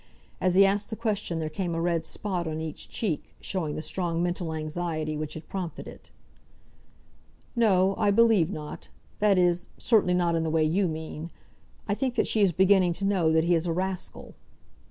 As he asked the question there came a red spot on each cheek, showing the strong mental anxiety which had prompted it. "No; I believe not; that is, certainly not in the way you mean. I think that she is beginning to know that he is a rascal."